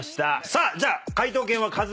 さあじゃあ。